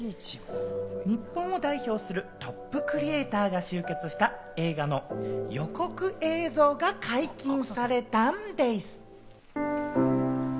日本を代表するトップクリエイターが集結した映画の予告映像が解禁されたんでぃす。